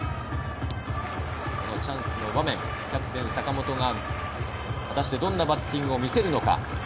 チャンスの場面、キャプテン・坂本が果たしてどんなバッティングを見せるのか。